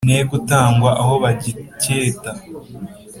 Negutangwa aho bagiketa